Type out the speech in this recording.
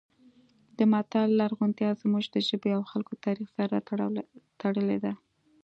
د متل لرغونتیا زموږ د ژبې او خلکو تاریخ سره تړلې ده